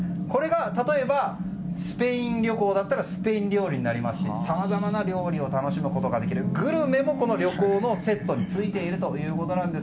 例えばスペイン旅行だったらスペイン料理になりますしさまざまな料理を楽しむことができるグルメも、この旅行のセットについているんです。